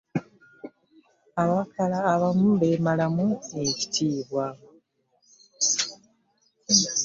Abakaala abamu bemalamu ekitiibwa .